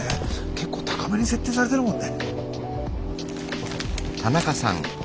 結構高めに設定されてるもんね。